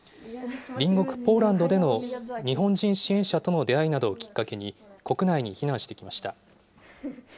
隣国ポーランドでの日本人支援者との出会いなどをきっかけに、国内に避難してきました。